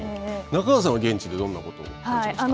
中川さんは、現地でどんなことを感じましたか。